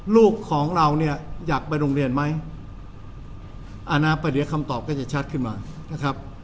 ลูกของเราเนี่ยอยากไปโรงเรียนไหมอนาคตเดี๋ยวคำตอบก็จะชัดขึ้นมานะครับ